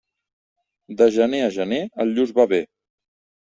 De gener a gener el lluç va bé.